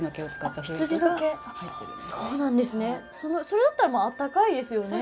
それだったらあったかいですよね。